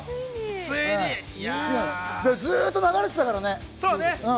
ずっと流れてたからね。